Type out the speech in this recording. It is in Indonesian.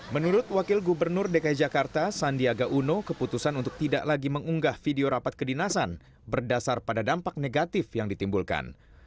menurut wakil gubernur dki jakarta sandiaga uno keputusan untuk tidak lagi mengunggah video rapat kedinasan berdasar pada dampak negatif yang ditimbulkan